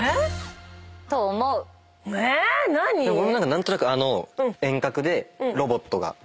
何となくあの遠隔でロボットがみたいな。